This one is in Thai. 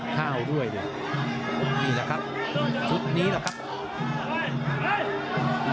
ข้าวด้วยเนี่ยนี่แหละครับชุดนี้แหละครับ